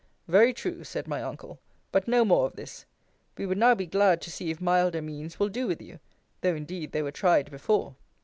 Very true, said my uncle: but no more of this. We would now be glad to see if milder means will do with you though, indeed, they were tried before.